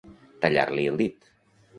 Tallar-li el dir.